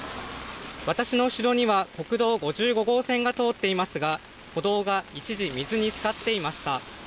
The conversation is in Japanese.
私の後ろには国道５５号線が通っていますが歩道が一時水につかっていました。